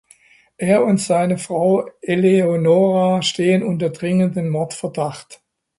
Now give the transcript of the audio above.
Er und seine Frau Eleonora stehen unter dringendem Mordverdacht.